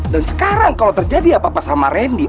dan sekarang kalau terjadi apa apa sama randy